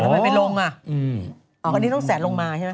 อ๋อมันไม่ลงอ่ะพอที่ต้องแสนลงมาใช่ไหม